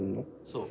そう。